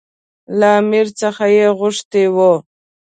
له امیر څخه یې غوښتي وو.